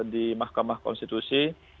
di mahkamah konstitusi